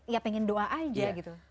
ya pengen doa aja gitu